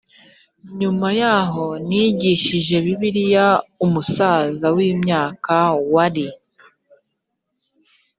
nyuma yaho nigishije bibiliya umusaza w imyaka wari